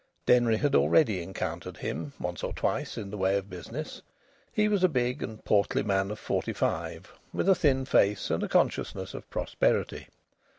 Denry had already encountered him once or twice in the way of business. He was a big and portly man of forty five, with a thin face and a consciousness of prosperity.